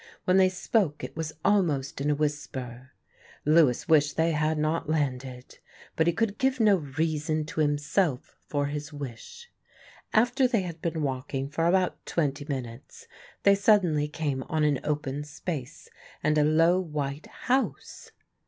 When they spoke it was almost in a whisper. Lewis wished they had not landed, but he could give no reason to himself for his wish. After they had been walking for about twenty minutes they suddenly came on an open space and a low white house.